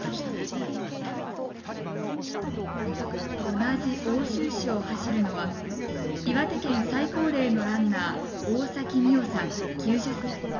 同じ奥州市を走るのは岩手県、最高齢のランナー大崎ミオさん、９０歳。